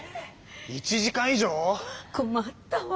１時間以上⁉こまったわ！